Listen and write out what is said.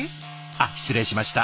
あっ失礼しました。